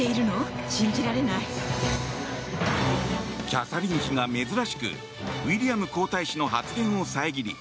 キャサリン妃が珍しくウィリアム皇太子の発言を遮り